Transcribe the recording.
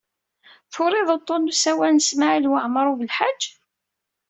Turid uḍḍun n usawal n Smawil Waɛmaṛ U Belḥaǧ?